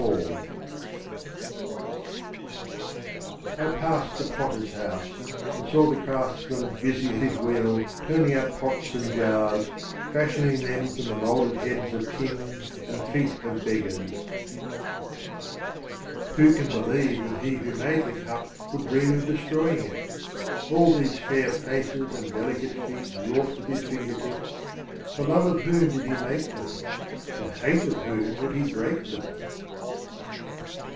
* LXXXII AND LXXXIII. I passed the Potter's House, And saw the Craftsman busy at his Wheel, Turning out Pots and Jars, Fashioning them from the mold ered Heads of Kings and Feet of Beggars. 78 LXXXIV AND LXXXV. Who can believe that He Who The Literal made the Cup would dream of destroying it? All these fair Faces and delicate Feet wrought with His Fingertips — For Love of whom did He make them? For Hate of whom would He break them?